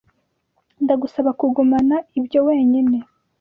Ndagusaba kugumana ibyo wenyine.